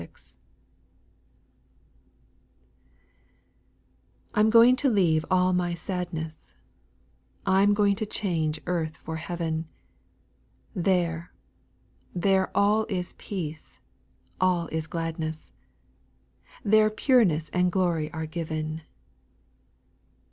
T 'M going to leave all my sadness, A I 'm going to change earth for heayen, There, there all is peace, all is gladness, There pureness and glory are given.